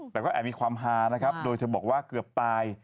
แต่ก็แอบมีความฮานะครับโดยเธอบอกว่าเกือบตาย